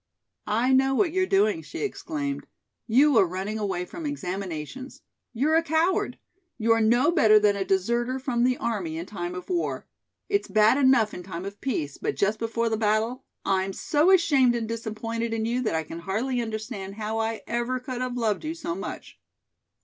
"I know what you're doing," she exclaimed. "You are running away from examinations. You're a coward. You are no better than a deserter from the army in time of war. It's bad enough in time of peace, but just before the battle I'm so ashamed and disappointed in you that I can hardly understand how I ever could have loved you so much."